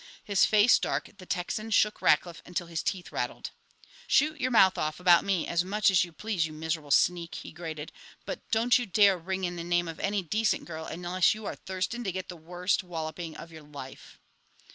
His face dark, the Texan shook Rackliff until his teeth rattled. "Shoot your mouth off about me as much as you please, you miserable sneak," he grated; "but don't you dare ring in the name of any decent girl unless you are thirsting to get the worst walloping of your life!"